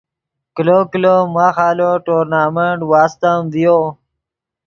کلو کلو ماخ آلو ٹورنامنٹ واستم ڤیو